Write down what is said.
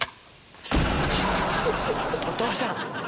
お父さん！